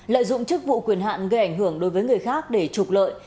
lợi dụng chức vụ quyền hạn gây ảnh hưởng đối với người khác để trục lợi